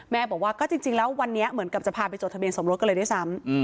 บอกว่าก็จริงแล้ววันนี้เหมือนกับจะพาไปจดทะเบียนสมรสกันเลยด้วยซ้ำ